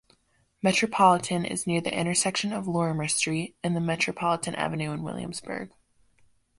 Metropolitan is near the intersection of Lorimer Street and Metropolitan Avenue in Williamsburg.